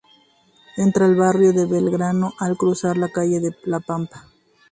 Entra al barrio de Belgrano al cruzar la calle "La Pampa".